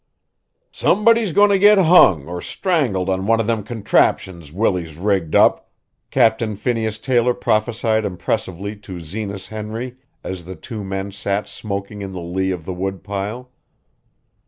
"Somebody's goin' to get hung or strangled on one of them contraptions Willie's rigged up," Captain Phineas Taylor prophesied impressively to Zenas Henry as the two men sat smoking in the lee of the wood pile.